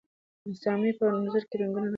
رسامي په انځورونو کې رنګونه نه اچوي.